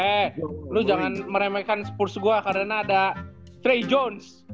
eh lu jangan meremehkan spurs gue karena ada stray jones